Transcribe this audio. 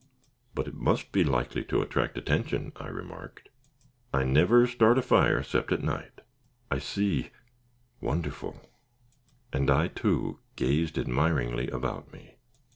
"But it must be likely to attract attention," I remarked. "I never start a fire 'cept at night." "I see wonderful!" and I, too, gazed admiringly about me.